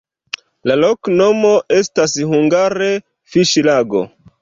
La loknomo estas hungare: fiŝlago.